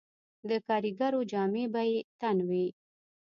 د کاریګرو جامې به یې تن وې